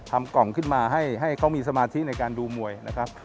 กล่องขึ้นมาให้เขามีสมาธิในการดูมวยนะครับ